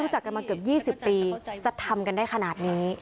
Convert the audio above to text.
จะทำกันได้ขนาดนี้